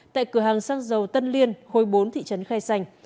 tại cửa hàng xăng dầu tân liên khối bốn thị trấn khai xanh